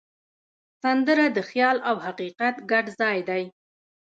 سندره د خیال او حقیقت ګډ ځای دی